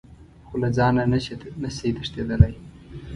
خو له ځانه نه شئ تښتېدلی .